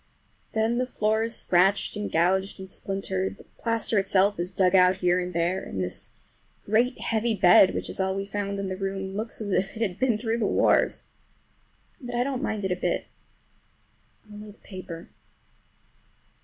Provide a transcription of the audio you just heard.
Then the floor is scratched and gouged and splintered, the plaster itself is dug out here and there, and this great heavy bed, which is all we found in the room, looks as if it had been through the wars. But I don't mind it a bit—only the paper.